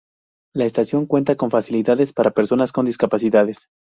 La estación cuenta con facilidades para personas con discapacidades.